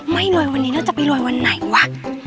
ไม่รวยวันนี้น่าจะไปรวยวันไหนวะ